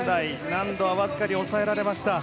難度はわずかに抑えられました。